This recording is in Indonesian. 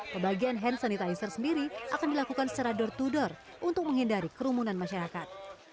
pembagian hand sanitizer sendiri akan dilakukan secara door to door untuk menghindari kerumunan masyarakat